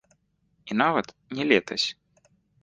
І нават не летась.